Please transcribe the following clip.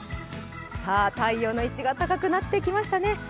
太陽の位置が高くなってきましたね。